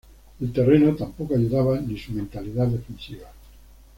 El terreno tampoco ayudaba ni su mentalidad defensiva.